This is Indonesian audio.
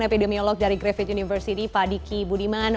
epidemiolog dari griffith university pak diki budiman